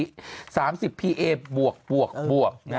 ดาวนี่นะครับ